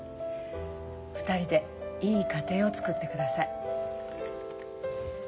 ２人でいい家庭をつくってください。